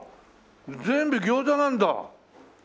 全部餃子なんだ。